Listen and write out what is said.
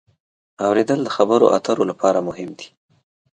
اورېدل د خبرو اترو لپاره مهم دی.